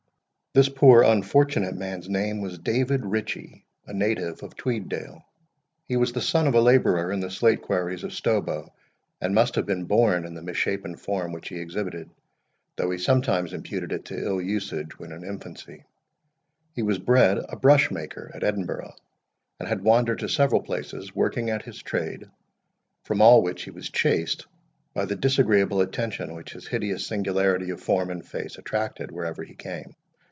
This poor unfortunate man's name was David Ritchie, a native of Tweeddale. He was the son of a labourer in the slate quarries of Stobo, and must have been born in the misshapen form which he exhibited, though he sometimes imputed it to ill usage when in infancy. He was bred a brush maker at Edinburgh, and had wandered to several places, working at his trade, from all which he was chased by the disagreeable attention which his hideous singularity of form and face attracted wherever he came.